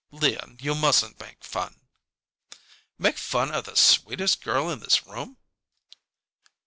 "Leon, you mustn't make fun." "Make fun of the sweetest girl in this room!"